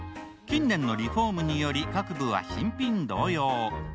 近年のリフォームにより各部は新品同様。